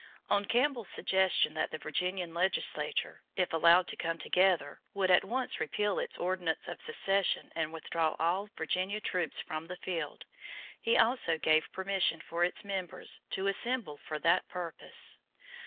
On Campbell's suggestion that the Virginia legislature, if allowed to come together, would at once repeal its ordinance of secession and withdraw all Virginia troops from the field, he also gave permission for its members to assemble for that purpose.